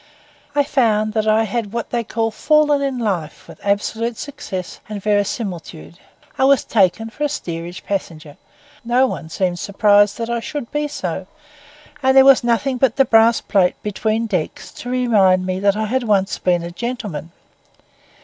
I found that I had what they call fallen in life with absolute success and verisimilitude. I was taken for a steerage passenger; no one seemed surprised that I should be so; and there was nothing but the brass plate between decks to remind me that I had once been a gentleman.